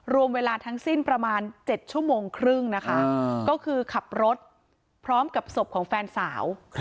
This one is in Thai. รวมเวลาทั้งสิ้นประมาณ๗ชั่วโมงครึ่งนะคะก็คือขับรถพร้อมกับศพของแฟนสาว